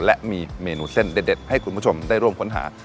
และมีเมนูเส้นเด็ดให้คุณผู้ชมได้ร่วมค้นหา